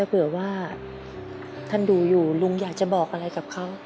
เผื่อว่าท่านดูอยู่ลุงอยากจะบอกอะไรกับเขา